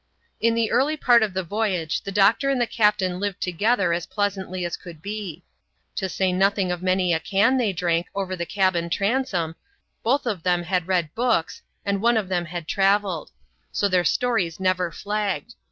In the early part of the voyage the doctor and the captain Jived together as pleasantly as could be. To aay nothing of CHAP. n.j SOME ACCOUNT OF THE SHIP. 9 many a can they drank over the cabin transom, both of them had read books, and one of them had travelled ; so their stories never flagged.